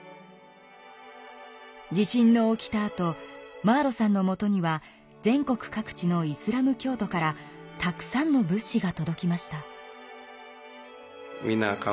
地震の起きたあとマーロさんのもとには全国各地のイスラム教徒からたくさんの物資がとどきました。